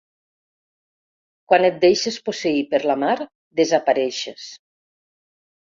Quan et deixes posseir per la mar desapareixes.